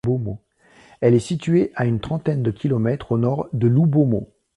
Elle est située à une trentaine de kilomètres au nord de Loubomo.